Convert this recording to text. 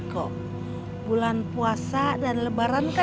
kok bulan puasa dan lebaran kan